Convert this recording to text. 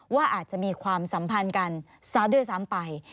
ว่าอาจจะมีความสัมพันธ์กันซะด้วยซ้ำไป